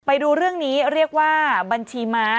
ไปดูเรื่องนี้เรียกว่าบัญชีม้า